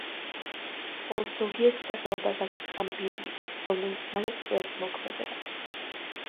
მხოლოდ ზოგიერთ სახეობას აქვს კამბიუმი, რომელიც მალე წყვეტს მოქმედებას.